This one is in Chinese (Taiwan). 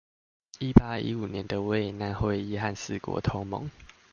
一八一五年的維也納會議和四國同盟